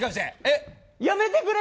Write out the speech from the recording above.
やめてくれ！